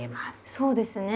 そうですね。